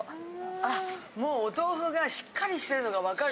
あもうお豆腐がしっかりしてるのがわかる。